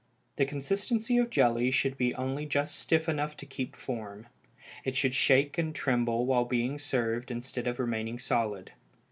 The consistency of jelly should be only just stiff enough to keep form. It should shake and tremble while being served instead of remaining solid.